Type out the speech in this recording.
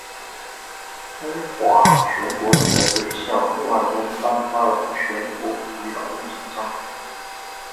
中华全国总工会向孟二冬颁发了全国五一劳动奖章。